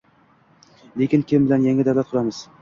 ➡️Lekin kim bilan yangi davlat quramiz?